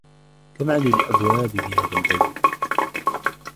كم عدد الأبواب في هذا البيت؟